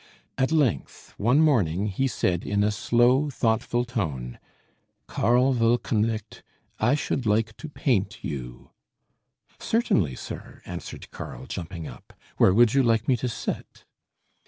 At length, one morning, he said in a slow thoughtful tone "Karl Wolkenlicht, I should like to paint you." "Certainly, sir," answered Karl, jumping up, "where would you like me to sit?"